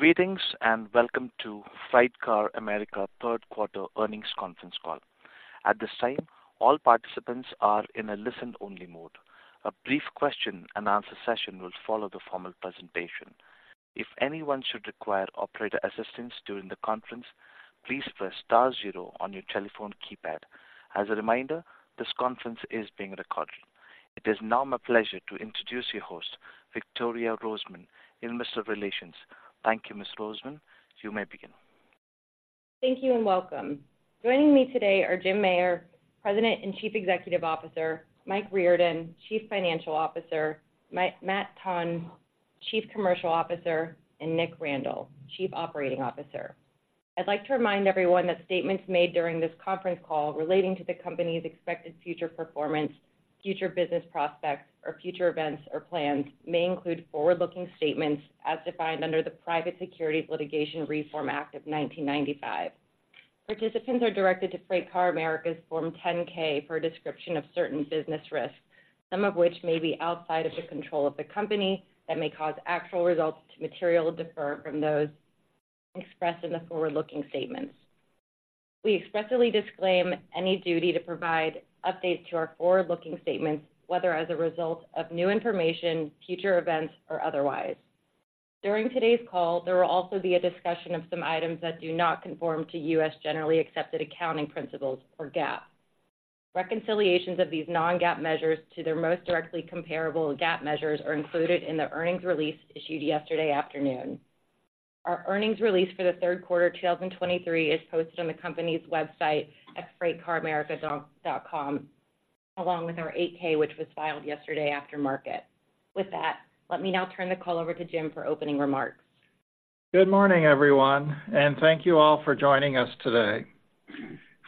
Greetings, and welcome to FreightCar America third quarter earnings conference call. At this time, all participants are in a listen-only mode. A brief question-and-answer session will follow the formal presentation. If anyone should require operator assistance during the conference, please press star zero on your telephone keypad. As a reminder, this conference is being recorded. It is now my pleasure to introduce your host, Victoria Roseman, Investor Relations. Thank you, Ms. Roseman. You may begin. Thank you, and welcome. Joining me today are Jim Meyer, President and Chief Executive Officer, Mike Riordan, Chief Financial Officer, Matt Tonn, Chief Commercial Officer, and Nick Randall, Chief Operating Officer. I'd like to remind everyone that statements made during this conference call relating to the company's expected future performance, future business prospects, or future events or plans may include forward-looking statements as defined under the Private Securities Litigation Reform Act of 1995. Participants are directed to FreightCar America's Form 10-K for a description of certain business risks, some of which may be outside of the control of the company, that may cause actual results to materially differ from those expressed in the forward-looking statements. We expressly disclaim any duty to provide updates to our forward-looking statements, whether as a result of new information, future events, or otherwise. During today's call, there will also be a discussion of some items that do not conform to U.S. generally accepted accounting principles or GAAP. Reconciliations of these non-GAAP measures to their most directly comparable GAAP measures are included in the earnings release issued yesterday afternoon. Our earnings release for the third quarter of 2023 is posted on the company's website at freightcaramerica.com, along with our 8-K, which was filed yesterday after market. With that, let me now turn the call over to Jim for opening remarks. Good morning, everyone, and thank you all for joining us today.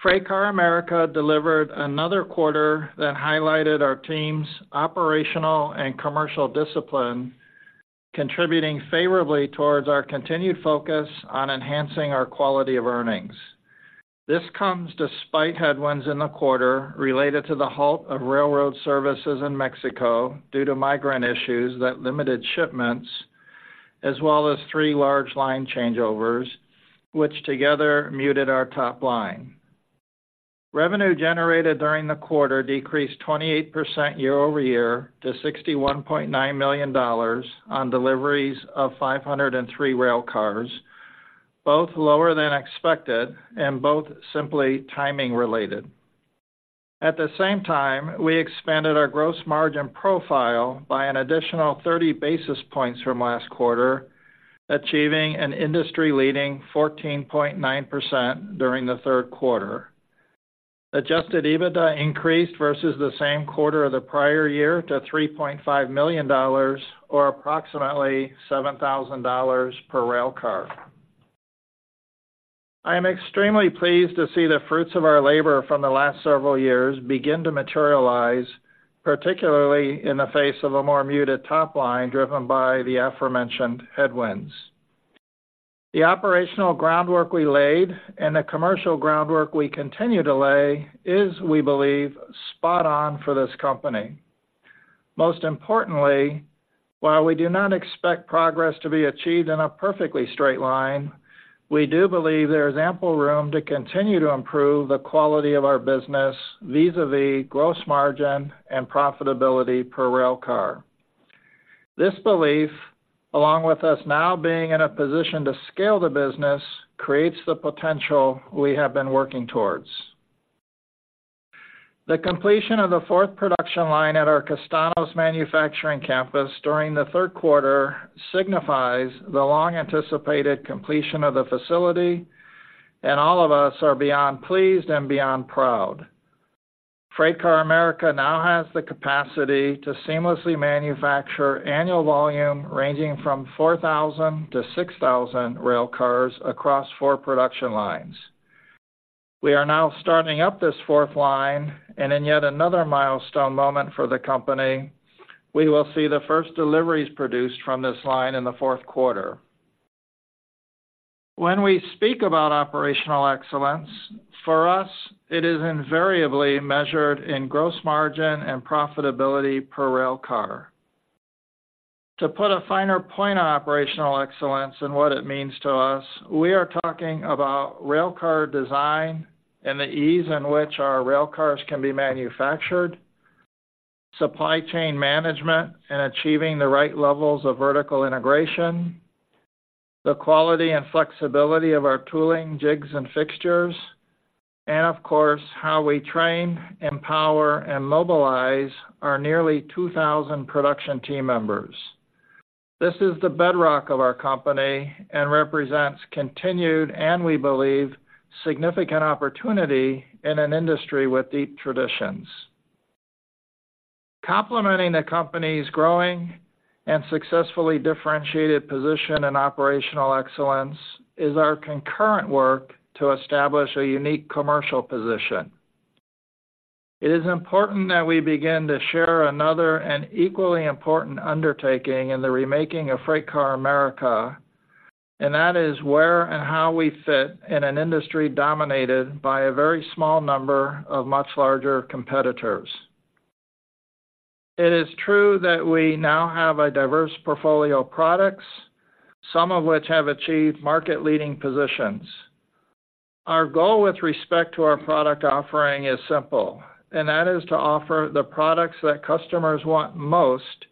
FreightCar America delivered another quarter that highlighted our team's operational and commercial discipline, contributing favorably towards our continued focus on enhancing our quality of earnings. This comes despite headwinds in the quarter related to the halt of railroad services in Mexico due to migrant issues that limited shipments, as well as three large line changeovers, which together muted our top line. Revenue generated during the quarter decreased 28% year-over-year to $61.9 million on deliveries of 503 railcars, both lower than expected and both simply timing related. At the same time, we expanded our gross margin profile by an additional 30 basis points from last quarter, achieving an industry-leading 14.9% during the third quarter. Adjusted EBITDA increased versus the same quarter of the prior year to $3.5 million or approximately $7,000 per railcar. I am extremely pleased to see the fruits of our labor from the last several years begin to materialize, particularly in the face of a more muted top line, driven by the aforementioned headwinds. The operational groundwork we laid and the commercial groundwork we continue to lay is, we believe, spot on for this company. Most importantly, while we do not expect progress to be achieved in a perfectly straight line, we do believe there is ample room to continue to improve the quality of our business vis-a-vis gross margin and profitability per railcar. This belief, along with us now being in a position to scale the business, creates the potential we have been working towards. The completion of the fourth production line at our Castaños manufacturing campus during the third quarter signifies the long-anticipated completion of the facility, and all of us are beyond pleased and beyond proud. FreightCar America now has the capacity to seamlessly manufacture annual volume ranging from 4,000 to 6,000 railcars across four production lines. We are now starting up this fourth line, and in yet another milestone moment for the company, we will see the first deliveries produced from this line in the fourth quarter. When we speak about operational excellence, for us, it is invariably measured in gross margin and profitability per railcar. To put a finer point on operational excellence and what it means to us, we are talking about railcar design and the ease in which our railcars can be manufactured, supply chain management, and achieving the right levels of vertical integration, the quality and flexibility of our tooling, jigs, and fixtures, and of course, how we train, empower, and mobilize our nearly 2,000 production team members. This is the bedrock of our company and represents continued, and we believe, significant opportunity in an industry with deep traditions. Complementing the company's growing and successfully differentiated position in operational excellence is our concurrent work to establish a unique commercial position. It is important that we begin to share another and equally important undertaking in the remaking of FreightCar America, and that is where and how we fit in an industry dominated by a very small number of much larger competitors... It is true that we now have a diverse portfolio of products, some of which have achieved market-leading positions. Our goal with respect to our product offering is simple, and that is to offer the products that customers want most,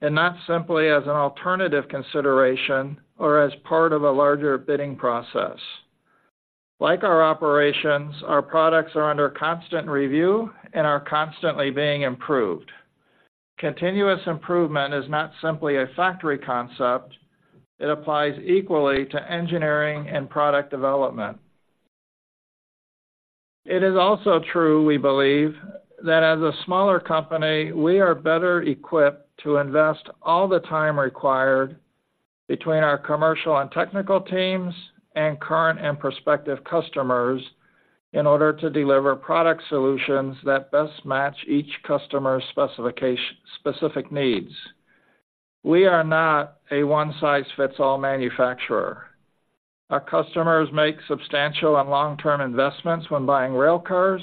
and not simply as an alternative consideration or as part of a larger bidding process. Like our operations, our products are under constant review and are constantly being improved. Continuous improvement is not simply a factory concept, it applies equally to engineering and product development. It is also true, we believe, that as a smaller company, we are better equipped to invest all the time required between our commercial and technical teams and current and prospective customers in order to deliver product solutions that best match each customer's specific needs. We are not a one-size-fits-all manufacturer. Our customers make substantial and long-term investments when buying railcars,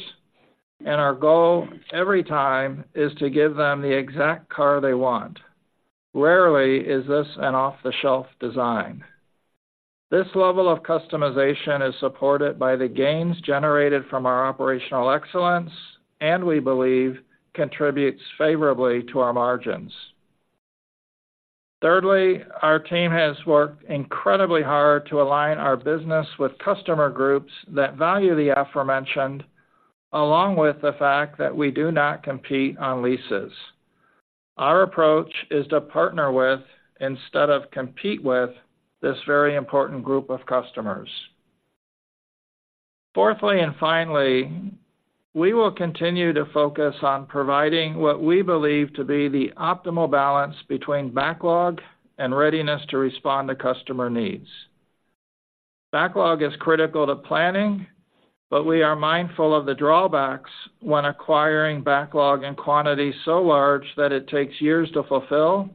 and our goal every time is to give them the exact car they want. Rarely is this an off-the-shelf design. This level of customization is supported by the gains generated from our operational excellence, and we believe contributes favorably to our margins. Thirdly, our team has worked incredibly hard to align our business with customer groups that value the aforementioned, along with the fact that we do not compete on leases. Our approach is to partner with, instead of compete with, this very important group of customers. Fourthly and finally, we will continue to focus on providing what we believe to be the optimal balance between backlog and readiness to respond to customer needs. Backlog is critical to planning, but we are mindful of the drawbacks when acquiring backlog and quantity so large that it takes years to fulfill,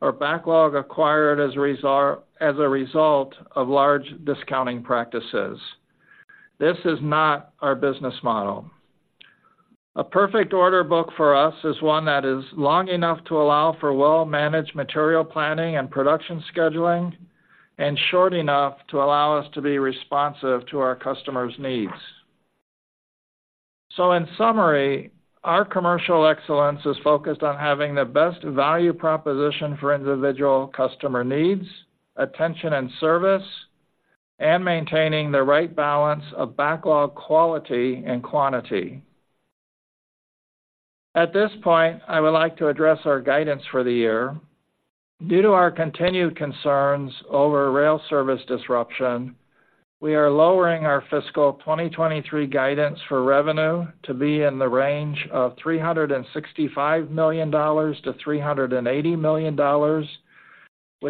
or backlog acquired as a result of large discounting practices. This is not our business model. A perfect order book for us is one that is long enough to allow for well-managed material planning and production scheduling, and short enough to allow us to be responsive to our customers' needs. So in summary, our commercial excellence is focused on having the best value proposition for individual customer needs, attention and service, and maintaining the right balance of backlog quality and quantity. At this point, I would like to address our guidance for the year. Due to our continued concerns over rail service disruption, we are lowering our fiscal 2023 guidance for revenue to be in the range of $365 million-$380 million, which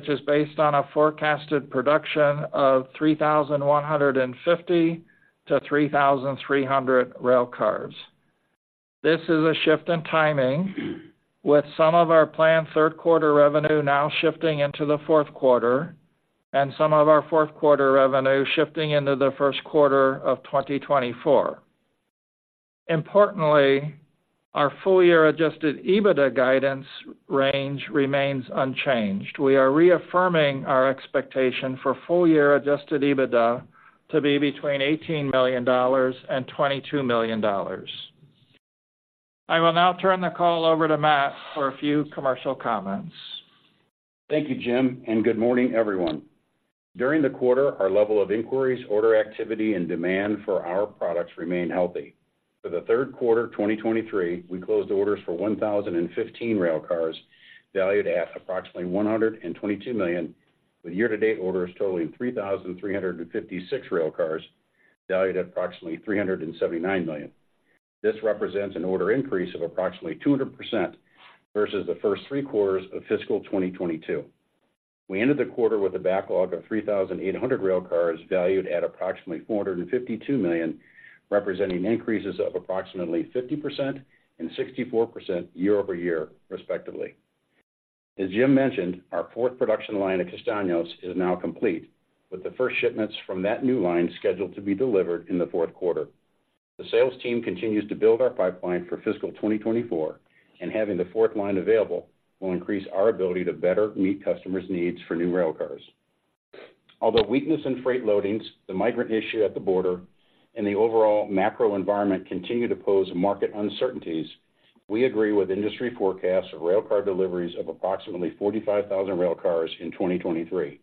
is based on a forecasted production of 3,150-3,300 railcars. This is a shift in timing, with some of our planned third quarter revenue now shifting into the fourth quarter, and some of our fourth quarter revenue shifting into the first quarter of 2024. Importantly, our full year Adjusted EBITDA guidance range remains unchanged. We are reaffirming our expectation for full year Adjusted EBITDA to be between $18 million and $22 million. I will now turn the call over to Matt for a few commercial comments. Thank you, Jim, and good morning, everyone. During the quarter, our level of inquiries, order activity, and demand for our products remained healthy. For the third quarter of 2023, we closed orders for 1,015 railcars, valued at approximately $122 million, with year-to-date orders totaling 3,356 railcars, valued at approximately $379 million. This represents an order increase of approximately 200% versus the first three quarters of fiscal 2022. We ended the quarter with a backlog of 3,800 railcars valued at approximately $452 million, representing increases of approximately 50% and 64% year-over-year, respectively. As Jim mentioned, our fourth production line at Castaños is now complete, with the first shipments from that new line scheduled to be delivered in the fourth quarter. The sales team continues to build our pipeline for fiscal 2024, and having the fourth line available will increase our ability to better meet customers' needs for new railcars. Although weakness in freight loadings, the migrant issue at the border, and the overall macro environment continue to pose market uncertainties, we agree with industry forecasts of railcar deliveries of approximately 45,000 railcars in 2023.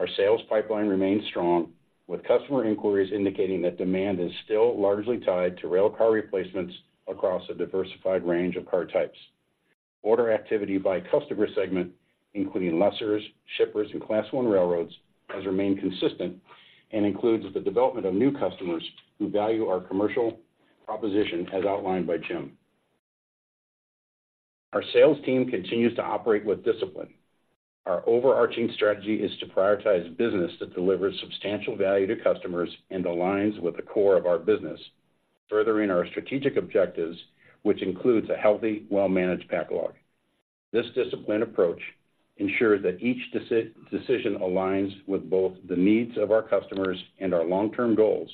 Our sales pipeline remains strong, with customer inquiries indicating that demand is still largely tied to railcar replacements across a diversified range of car types. Order activity by customer segment, including lessors, shippers, and Class I railroads, has remained consistent and includes the development of new customers who value our commercial proposition, as outlined by Jim. Our sales team continues to operate with discipline. Our overarching strategy is to prioritize business that delivers substantial value to customers and aligns with the core of our business, furthering our strategic objectives, which includes a healthy, well-managed backlog. This disciplined approach ensures that each decision aligns with both the needs of our customers and our long-term goals,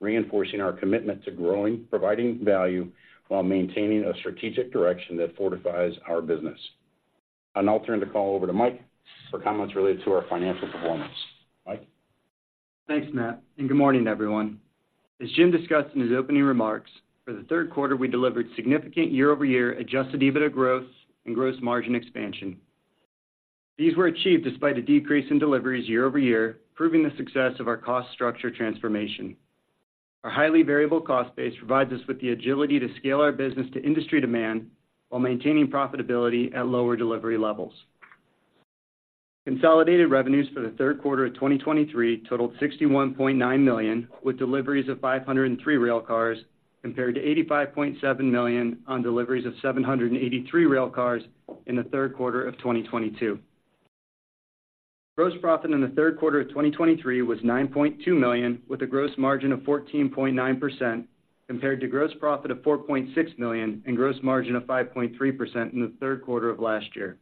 reinforcing our commitment to growing, providing value, while maintaining a strategic direction that fortifies our business. I'll now turn the call over to Mike for comments related to our financial performance. Mike? Thanks, Matt, and good morning, everyone. As Jim discussed in his opening remarks, for the third quarter, we delivered significant year-over-year Adjusted EBITDA growth and gross margin expansion. These were achieved despite a decrease in deliveries year-over-year, proving the success of our cost structure transformation. Our highly variable cost base provides us with the agility to scale our business to industry demand while maintaining profitability at lower delivery levels. Consolidated revenues for the third quarter of 2023 totaled $61.9 million, with deliveries of 503 railcars, compared to $85.7 million on deliveries of 783 railcars in the third quarter of 2022. Gross profit in the third quarter of 2023 was $9.2 million, with a gross margin of 14.9%, compared to gross profit of $4.6 million and gross margin of 5.3% in the third quarter of last year.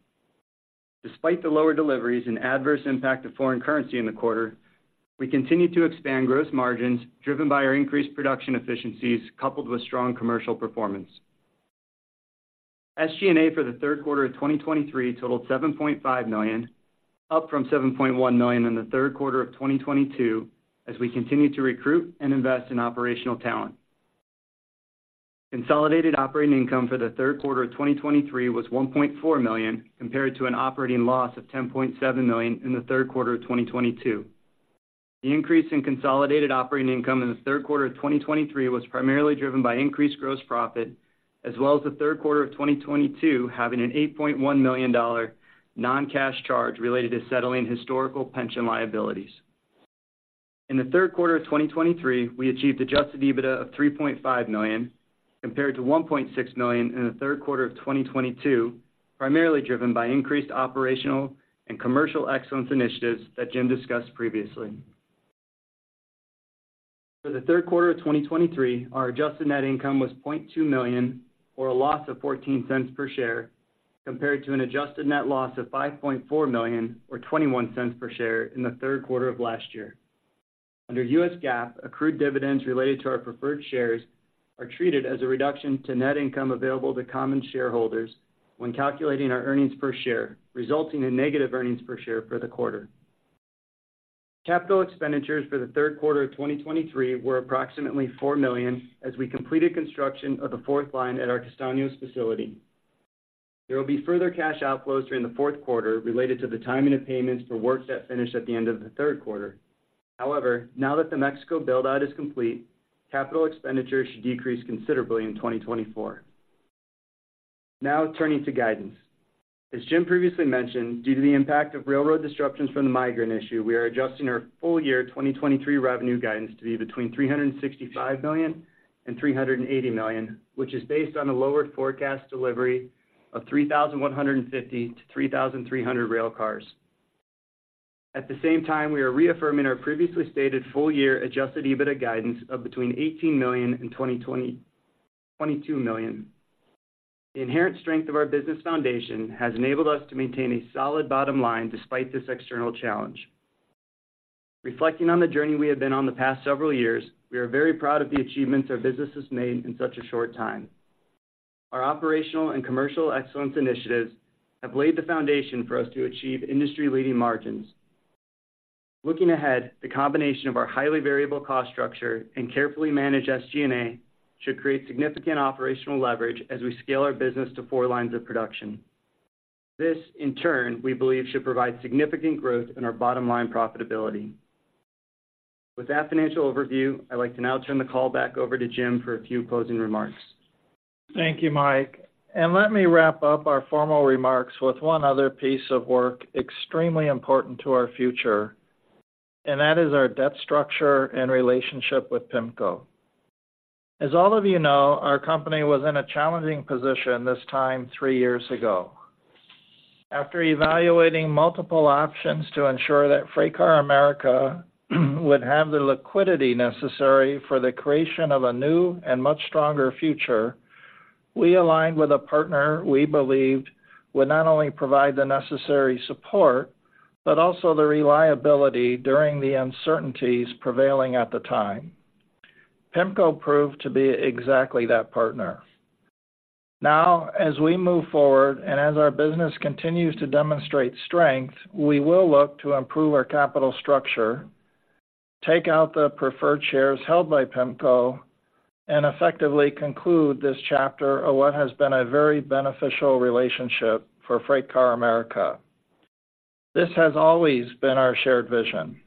Despite the lower deliveries and adverse impact of foreign currency in the quarter, we continued to expand gross margins, driven by our increased production efficiencies, coupled with strong commercial performance. SG&A for the third quarter of 2023 totaled $7.5 million, up from $7.1 million in the third quarter of 2022, as we continued to recruit and invest in operational talent. Consolidated operating income for the third quarter of 2023 was $1.4 million, compared to an operating loss of $10.7 million in the third quarter of 2022. The increase in consolidated operating income in the third quarter of 2023 was primarily driven by increased gross profit, as well as the third quarter of 2022 having an $8.1 million non-cash charge related to settling historical pension liabilities. In the third quarter of 2023, we achieved Adjusted EBITDA of $3.5 million, compared to $1.6 million in the third quarter of 2022, primarily driven by increased operational and commercial excellence initiatives that Jim discussed previously. For the third quarter of 2023, our adjusted net income was $0.2 million, or a loss of $0.14 per share, compared to an adjusted net loss of $5.4 million, or $0.21 per share in the third quarter of last year. Under U.S. GAAP, accrued dividends related to our preferred shares are treated as a reduction to net income available to common shareholders when calculating our earnings per share, resulting in negative earnings per share for the quarter. Capital expenditures for the third quarter of 2023 were approximately $4 million, as we completed construction of the fourth line at our Castaños facility. There will be further cash outflows during the fourth quarter related to the timing of payments for work that finished at the end of the third quarter. However, now that the Mexico build-out is complete, capital expenditures should decrease considerably in 2024. Now, turning to guidance. As Jim previously mentioned, due to the impact of railroad disruptions from the migrant issue, we are adjusting our full-year 2023 revenue guidance to be between $365 million and $380 million, which is based on a lower forecast delivery of 3,150 to 3,300 railcars. At the same time, we are reaffirming our previously stated full-year Adjusted EBITDA guidance of between $18 million and $22 million. The inherent strength of our business foundation has enabled us to maintain a solid bottom line despite this external challenge. Reflecting on the journey we have been on the past several years, we are very proud of the achievements our business has made in such a short time. Our operational and commercial excellence initiatives have laid the foundation for us to achieve industry-leading margins. Looking ahead, the combination of our highly variable cost structure and carefully managed SG&A should create significant operational leverage as we scale our business to four lines of production. This, in turn, we believe, should provide significant growth in our bottom-line profitability. With that financial overview, I'd like to now turn the call back over to Jim for a few closing remarks. Thank you, Mike. And let me wrap up our formal remarks with one other piece of work extremely important to our future, and that is our debt structure and relationship with PIMCO. As all of you know, our company was in a challenging position this time three years ago. After evaluating multiple options to ensure that FreightCar America would have the liquidity necessary for the creation of a new and much stronger future, we aligned with a partner we believed would not only provide the necessary support, but also the reliability during the uncertainties prevailing at the time. PIMCO proved to be exactly that partner. Now, as we move forward and as our business continues to demonstrate strength, we will look to improve our capital structure, take out the preferred shares held by PIMCO, and effectively conclude this chapter of what has been a very beneficial relationship for FreightCar America. This has always been our shared vision.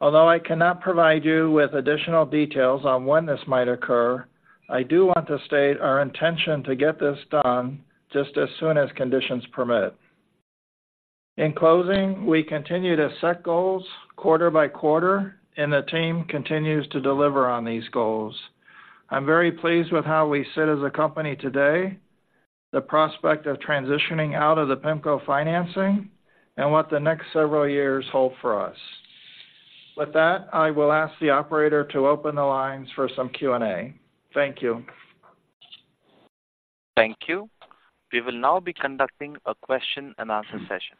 Although I cannot provide you with additional details on when this might occur, I do want to state our intention to get this done just as soon as conditions permit. In closing, we continue to set goals quarter by quarter, and the team continues to deliver on these goals. I'm very pleased with how we sit as a company today, the prospect of transitioning out of the PIMCO financing, and what the next several years hold for us. With that, I will ask the operator to open the lines for some Q&A. Thank you. Thank you. We will now be conducting a question-and-answer session.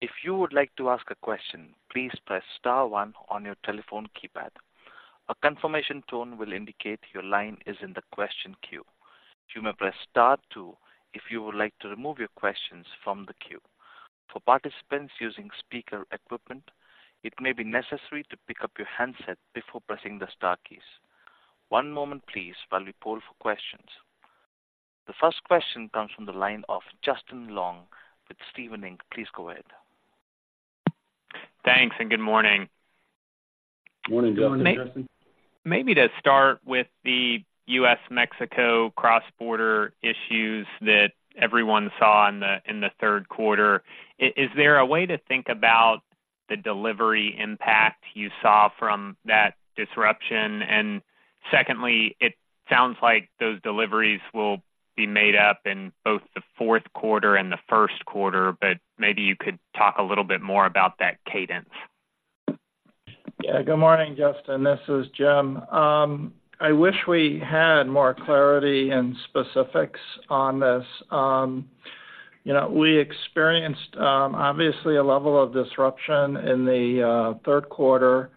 If you would like to ask a question, please press star one on your telephone keypad. A confirmation tone will indicate your line is in the question queue. You may press star two if you would like to remove your questions from the queue. For participants using speaker equipment, it may be necessary to pick up your handset before pressing the star keys. One moment, please, while we poll for questions. The first question comes from the line of Justin Long with Stephens Inc. Please go ahead. Thanks, and good morning. Morning, Justin. Maybe to start with the U.S.-Mexico cross-border issues that everyone saw in the third quarter, is there a way to think about the delivery impact you saw from that disruption? And secondly, it sounds like those deliveries will be made up in both the fourth quarter and the first quarter, but maybe you could talk a little bit more about that cadence. Yeah. Good morning, Justin. This is Jim. I wish we had more clarity and specifics on this. You know, we experienced obviously a level of disruption in the third quarter.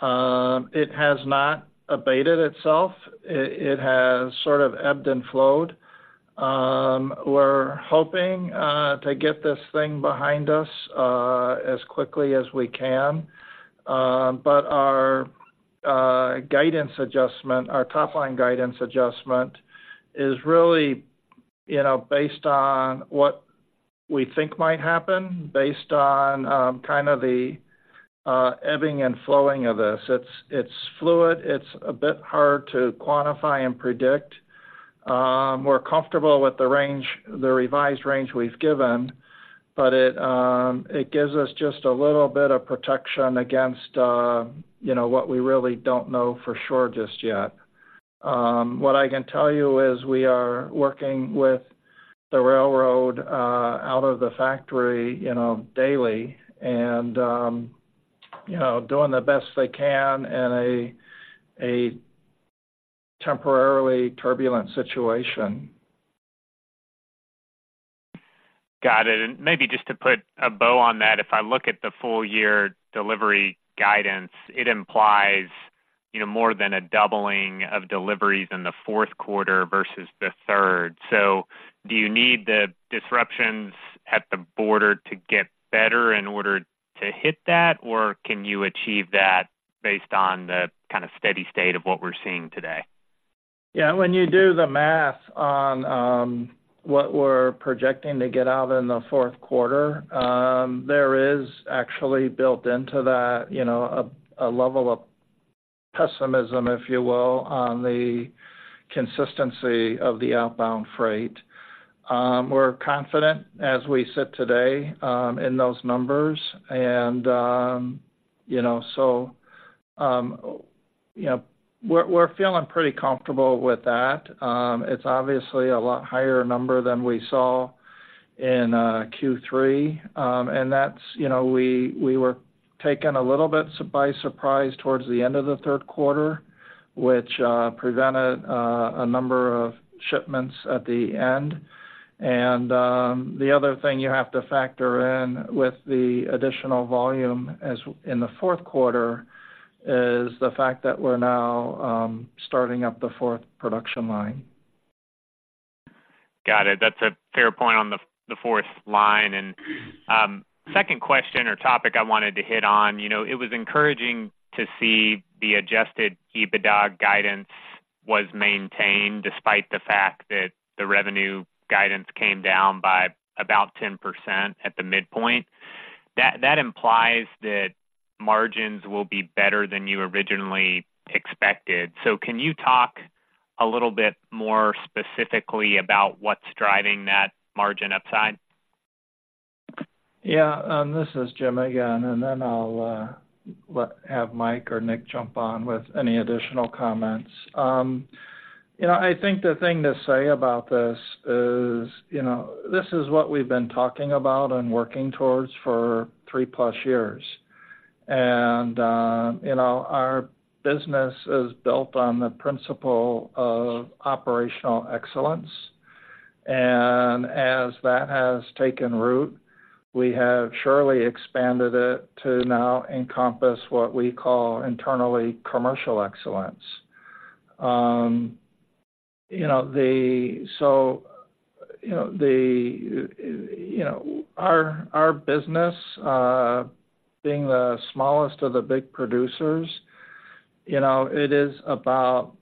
It has not abated itself. It has sort of ebbed and flowed. We're hoping to get this thing behind us as quickly as we can. But our guidance adjustment, our top-line guidance adjustment, is really, you know, based on what we think might happen, based on kind of the ebbing and flowing of this. It's fluid. It's a bit hard to quantify and predict. We're comfortable with the range, the revised range we've given, but it gives us just a little bit of protection against, you know, what we really don't know for sure just yet. What I can tell you is we are working with the railroad out of the factory, you know, daily, and you know, doing the best they can in a temporarily turbulent situation. Got it. And maybe just to put a bow on that, if I look at the full year delivery guidance, it implies, you know, more than a doubling of deliveries in the fourth quarter versus the third. So do you need the disruptions at the border to get better in order to hit that, or can you achieve that based on the kind of steady state of what we're seeing today? Yeah, when you do the math on what we're projecting to get out in the fourth quarter, there is actually built into that, you know, a level of pessimism, if you will, on the consistency of the outbound freight. We're confident as we sit today in those numbers, and you know, so you know, we're feeling pretty comfortable with that. It's obviously a lot higher number than we saw in Q3. And that's, you know, we were taken a little bit by surprise towards the end of the third quarter, which prevented a number of shipments at the end. And the other thing you have to factor in with the additional volume as in the fourth quarter is the fact that we're now starting up the fourth production line. Got it. That's a fair point on the fourth line. And, second question or topic I wanted to hit on, you know, it was encouraging to see the Adjusted EBITDA guidance was maintained despite the fact that the revenue guidance came down by about 10% at the midpoint. That implies that margins will be better than you originally expected. So can you talk a little bit more specifically about what's driving that margin upside? Yeah, this is Jim again, and then I'll have Mike or Nick jump on with any additional comments. You know, I think the thing to say about this is, you know, this is what we've been talking about and working towards for 3+ years. And, you know, our business is built on the principle of operational excellence, and as that has taken root, we have surely expanded it to now encompass what we call internally, commercial excellence. You know, so, you know, the, you know, our, our business, being the smallest of the big producers, you know, it is about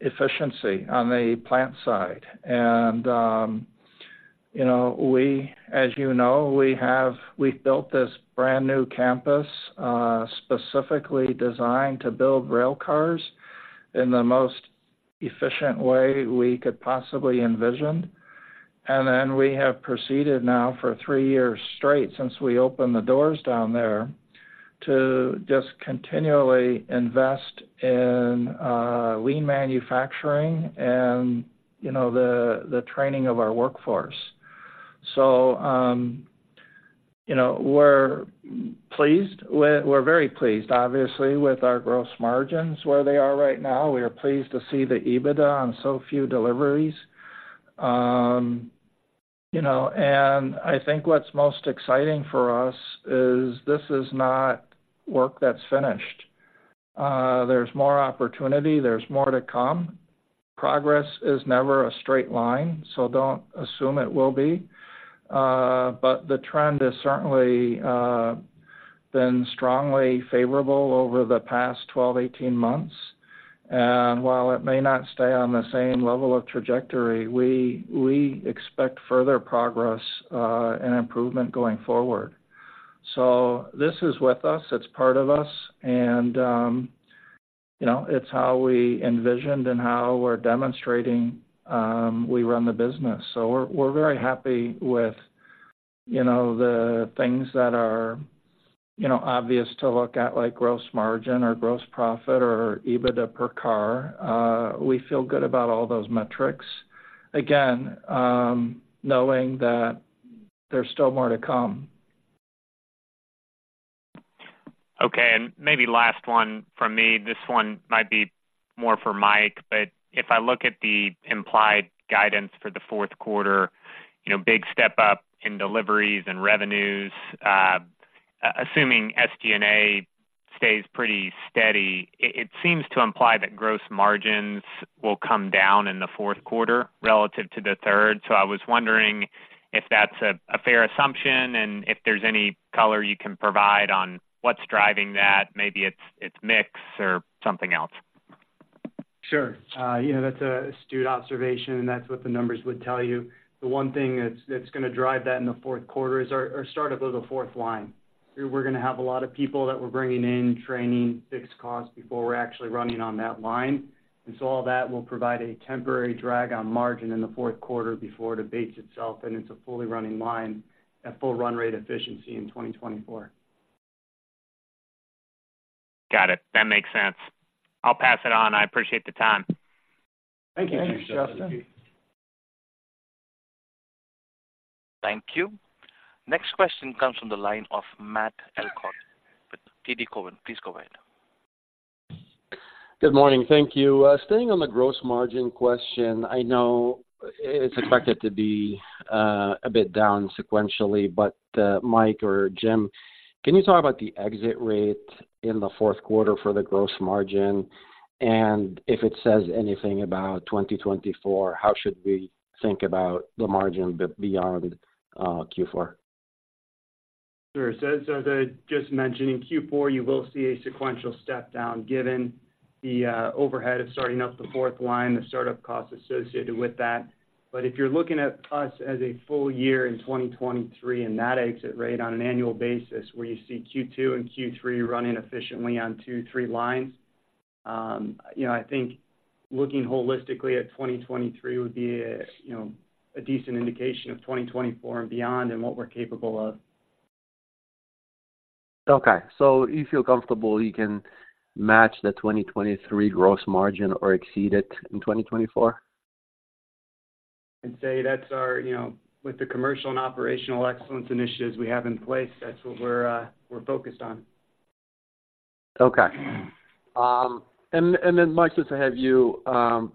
efficiency on the plant side. And, you know, we, as you know, we've built this brand-new campus, specifically designed to build rail cars in the most efficient way we could possibly envision. And then we have proceeded now for three years straight since we opened the doors down there, to just continually invest in lean manufacturing and, you know, the training of our workforce. So, you know, we're pleased. We're very pleased, obviously, with our gross margins, where they are right now. We are pleased to see the EBITDA on so few deliveries. You know, and I think what's most exciting for us is this is not work that's finished. There's more opportunity, there's more to come. Progress is never a straight line, so don't assume it will be. But the trend has certainly been strongly favorable over the past 12, 18 months, and while it may not stay on the same level of trajectory, we expect further progress and improvement going forward. So this is with us, it's part of us, and, you know, it's how we envisioned and how we're demonstrating we run the business. So we're very happy with, you know, the things that are, you know, obvious to look at, like gross margin or gross profit or EBITDA per car. We feel good about all those metrics. Again, knowing that there's still more to come. Okay, and maybe last one from me. This one might be more for Mike, but if I look at the implied guidance for the fourth quarter, you know, big step up in deliveries and revenues, assuming SG&A stays pretty steady, it seems to imply that gross margins will come down in the fourth quarter relative to the third. So I was wondering if that's a fair assumption, and if there's any color you can provide on what's driving that, maybe it's mix or something else. Sure. You know, that's an astute observation, and that's what the numbers would tell you. The one thing that's gonna drive that in the fourth quarter is our start up of the fourth line. We're gonna have a lot of people that we're bringing in, training, fixed costs before we're actually running on that line. And so all that will provide a temporary drag on margin in the fourth quarter before it abates itself, and it's a fully running line at full run rate efficiency in 2024. Got it. That makes sense. I'll pass it on. I appreciate the time. Thank you, Justin. Thank you. Next question comes from the line of Matt Elkott with TD Cowen. Please go ahead. Good morning. Thank you. Staying on the gross margin question, I know it's expected to be a bit down sequentially, but Mike or Jim, can you talk about the exit rate in the fourth quarter for the gross margin? And if it says anything about 2024, how should we think about the margin beyond Q4? Sure. So as I just mentioned, in Q4, you will see a sequential step down, given the overhead of starting up the fourth line, the start-up costs associated with that. But if you're looking at us as a full year in 2023 and that exit rate on an annual basis, where you see Q2 and Q3 running efficiently on 2, 3 lines, you know, I think looking holistically at 2023 would be a, you know, a decent indication of 2024 and beyond and what we're capable of. Okay, so you feel comfortable you can match the 2023 gross margin or exceed it in 2024? I'd say that's our, you know... With the commercial and operational excellence initiatives we have in place, that's what we're, we're focused on. Okay. And then, Mike, since I have you,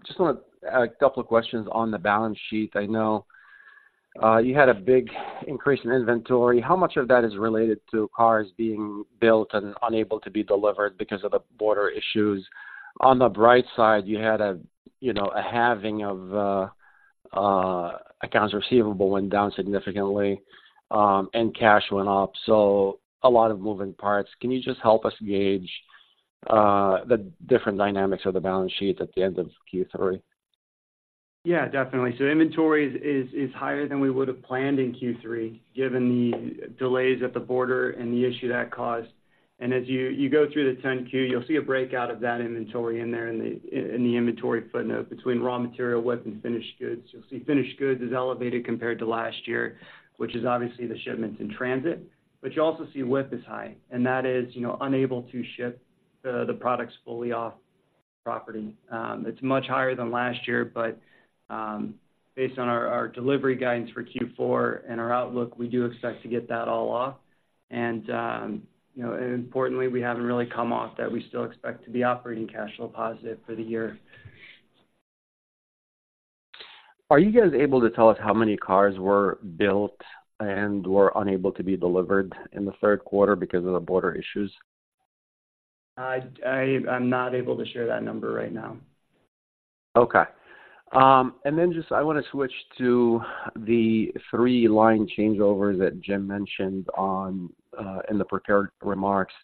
just wanna a couple of questions on the balance sheet. I know, you had a big increase in inventory. How much of that is related to cars being built and unable to be delivered because of the border issues? On the bright side, you had a, you know, a halving of, accounts receivable went down significantly, and cash went up, so a lot of moving parts. Can you just help us gauge, the different dynamics of the balance sheet at the end of Q3? Yeah, definitely. So inventory is higher than we would have planned in Q3, given the delays at the border and the issue that caused. And as you go through the 10-Q, you'll see a breakout of that inventory in the inventory footnote between raw material, WIP, and finished goods. You'll see finished goods is elevated compared to last year, which is obviously the shipments in transit, but you also see WIP is high, and that is, you know, unable to ship the products fully off property. It's much higher than last year, but based on our delivery guidance for Q4 and our outlook, we do expect to get that all off. And you know, and importantly, we haven't really come off that we still expect to be operating cash flow positive for the year. Are you guys able to tell us how many cars were built and were unable to be delivered in the third quarter because of the border issues? I'm not able to share that number right now. Okay. And then just I want to switch to the three-line changeover that Jim mentioned on in the prepared remarks.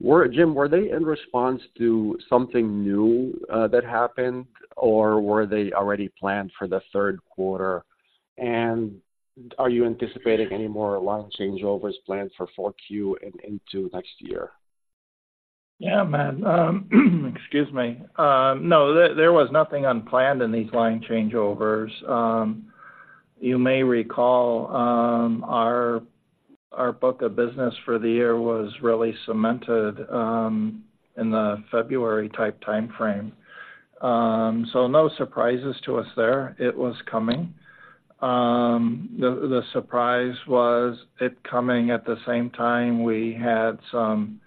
Were, Jim, were they in response to something new that happened, or were they already planned for the third quarter? And are you anticipating any more line changeovers planned for 4Q and into next year? Yeah, Matt. Excuse me. No, there was nothing unplanned in these line changeovers. You may recall, our book of business for the year was really cemented in the February-type timeframe. So no surprises to us there. It was coming. The surprise was it coming at the same time we had some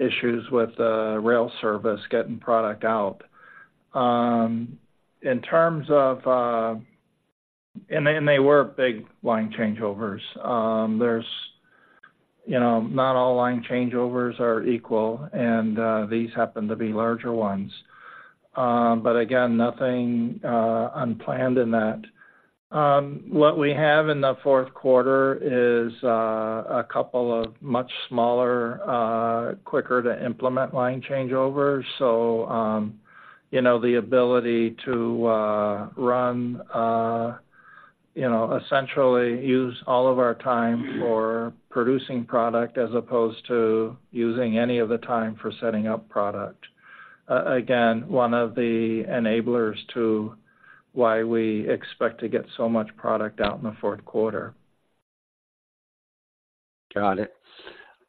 issues with the rail service getting product out. In terms of, and they were big line changeovers. There's, you know, not all line changeovers are equal, and these happen to be larger ones. But again, nothing unplanned in that. What we have in the fourth quarter is a couple of much smaller, quicker-to-implement line changeovers. So, you know, the ability to run, you know, essentially use all of our time for producing product as opposed to using any of the time for setting up product. Again, one of the enablers to why we expect to get so much product out in the fourth quarter. Got it.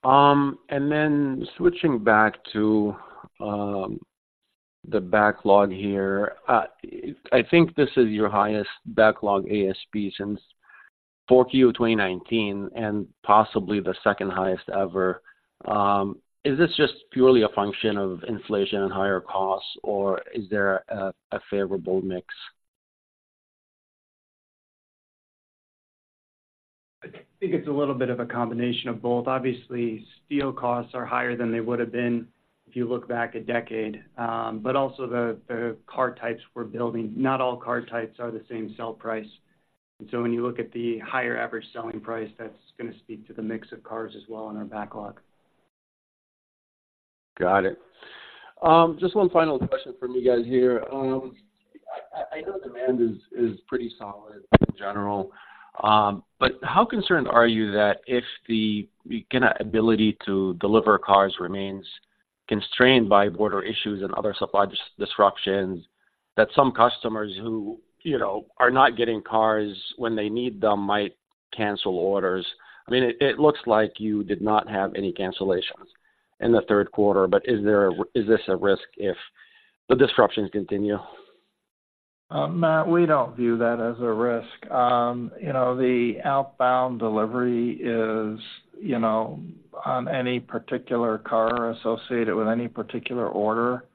And then switching back to the backlog here. I think this is your highest backlog ASP since 4Q 2019, and possibly the second highest ever. Is this just purely a function of inflation and higher costs, or is there a favorable mix? I think it's a little bit of a combination of both. Obviously, steel costs are higher than they would have been if you look back a decade. But also the car types we're building, not all car types are the same sell price. And so when you look at the higher average selling price, that's gonna speak to the mix of cars as well in our backlog. Got it. Just one final question from you guys here. I know demand is pretty solid in general, but how concerned are you that if the kinda ability to deliver cars remains constrained by border issues and other supply disruptions, that some customers who, you know, are not getting cars when they need them might cancel orders? I mean, it looks like you did not have any cancellations in the third quarter, but is there a, is this a risk if the disruptions continue? Matt, we don't view that as a risk. You know, the outbound delivery is, you know, on any particular car associated with any particular order,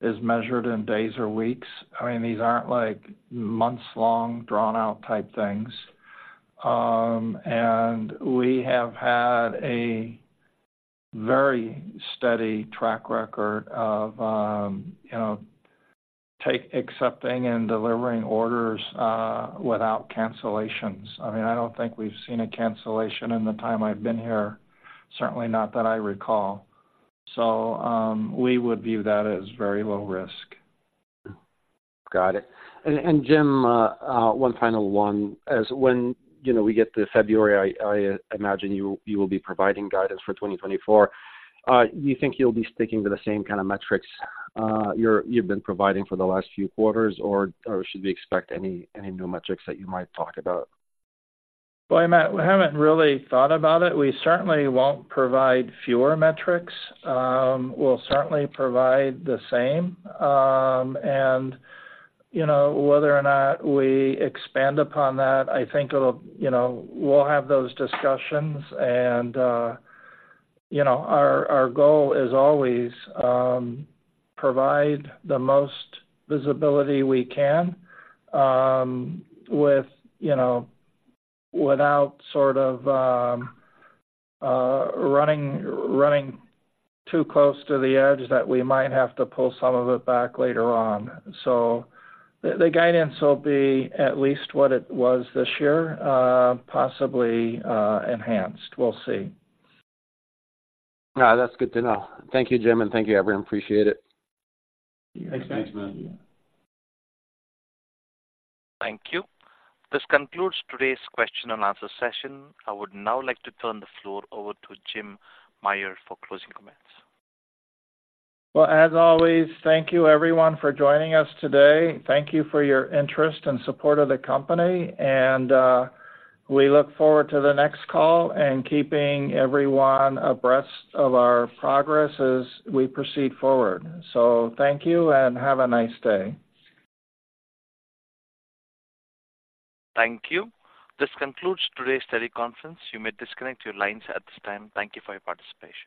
is measured in days or weeks. I mean, these aren't like months-long, drawn-out type things. And we have had a very steady track record of, you know, accepting and delivering orders without cancellations. I mean, I don't think we've seen a cancellation in the time I've been here. Certainly not that I recall. So, we would view that as very low risk. Got it. And Jim, one final one. As when, you know, we get to February, I imagine you will be providing guidance for 2024. You think you'll be sticking to the same kind of metrics you've been providing for the last few quarters, or should we expect any new metrics that you might talk about? Well, Matt, we haven't really thought about it. We certainly won't provide fewer metrics. We'll certainly provide the same. And, you know, whether or not we expand upon that, I think it'll, You know, we'll have those discussions and, you know, our goal is always provide the most visibility we can, with, you know, without sort of, running too close to the edge that we might have to pull some of it back later on. So the guidance will be at least what it was this year, possibly enhanced. We'll see. That's good to know. Thank you, Jim, and thank you, everyone. Appreciate it. Thanks. Thanks, Matt. Thank you. This concludes today's question and answer session. I would now like to turn the floor over to Jim Meyer for closing comments. Well, as always, thank you everyone for joining us today. Thank you for your interest and support of the company, and we look forward to the next call, and keeping everyone abreast of our progress as we proceed forward. So thank you and have a nice day. Thank you. This concludes today's teleconference. You may disconnect your lines at this time. Thank you for your participation.